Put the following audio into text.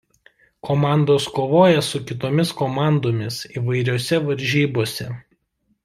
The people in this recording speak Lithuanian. Komandos kovoja su kitomis komandomis įvairiose varžybose.